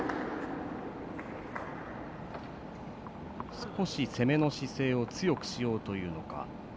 少し攻めの姿勢を強くしようというのか。